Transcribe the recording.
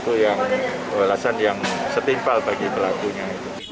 itu yang alasan yang setimpal bagi pelakunya